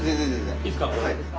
いいすか？